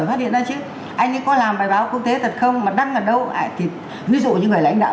phát hiện ra chứ anh ấy có làm bài báo quốc tế thật không mà đăng ở đâu thì ví dụ như người lãnh đạo